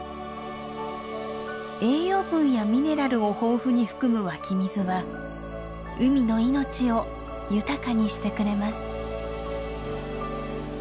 栄養分やミネラルを豊富に含む湧き水は海の命を豊かにしてくれます。